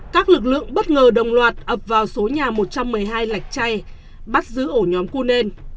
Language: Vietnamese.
các lực lượng bất ngờ đồng loạt ập vào số nhà một trăm một mươi hai lạch chay bắt giữ ổ nhóm khu nền